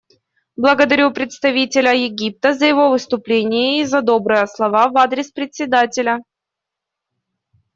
Благодарю представителя Египта за его выступление и за добрые слова в адрес Председателя.